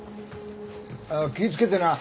あ気ぃ付けてな。